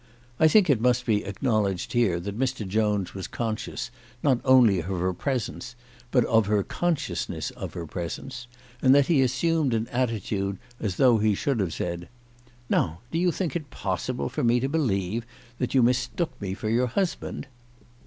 I think it must be acknowledged that here Mr. Jones was conscious, not only of her presence, but of her consciousness of his presence, and that he assumed an attitude, as though he should have said, " Now do you think it possible for me to believe that you mistook me for your husband